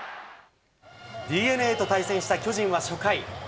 ＤｅＮＡと対戦した巨人は初回。